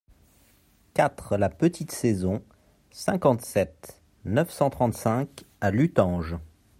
quatre la Petite Saison, cinquante-sept, neuf cent trente-cinq à Luttange